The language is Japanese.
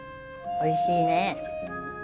おいしいね。